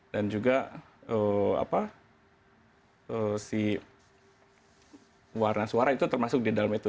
dan juga si warna suara itu termasuk di dalam itu